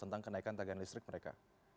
tentang kenaikan tagihan listrik mereka